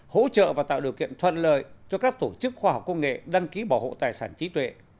hỗ trợ và tạo điều kiện thuận lợi cho các tổ chức khoa học công nghệ đăng ký bảo hộ tài sản trí tuệ